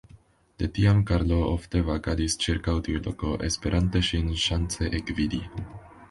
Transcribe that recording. De tiam Karlo ofte vagadis ĉirkaŭ tiu loko, esperante ŝin ŝance ekvidi.